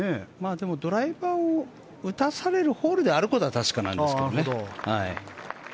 でも、ドライバーを打たされるホールであることは確かなんですけどね。